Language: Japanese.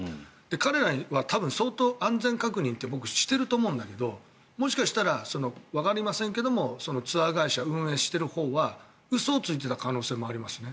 彼らは相当、安全確認って僕、していると思うんだけどもしかしたらわかりませんけれどツアー会社、運営してるほうは嘘をついていた可能性もありますね。